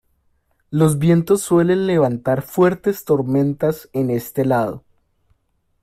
Los vientos suelen levantar fuertes tormentas en este lago.